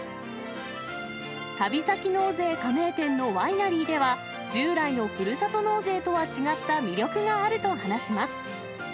旅先納税加盟店のワイナリーでは、従来のふるさと納税とは違った魅力があると話します。